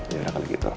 ya udah kalau gitu